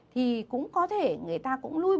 thì cũng có thể người ta có thể tăng dần liều thuốc